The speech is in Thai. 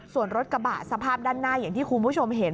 ส่วนรถกระบะสภาพด้านหน้าอย่างที่คุณผู้ชมเห็น